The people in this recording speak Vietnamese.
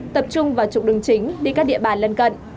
tập trung vào trục đường chính đi các địa bàn lân cận